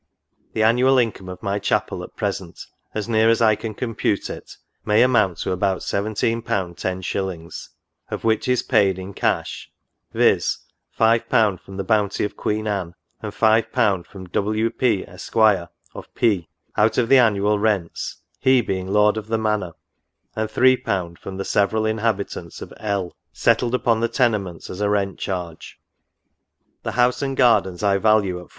The annual income of my chapel at present, as near as I can compute it, may amount to about 171' lOs. of which is paid in cash, viz. 5L from the bounty of Queen Anne, and 51. from W. P. Esq. of P —, out of the annual rents, he being lord of the manor, and Si. from the several inhabitants of L —, settled upon the tenements as a rent charge ; the house and gardens I value at 4